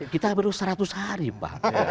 kita baru seratus hari mbak